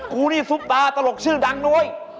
กูนี่ซุปตาตลกชื่อดังน้อย